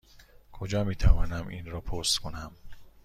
کجا می توانم این را پست کنم؟